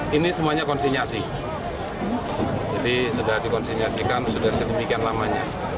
jadi sudah dikonsinyasikan sudah sedemikian lamanya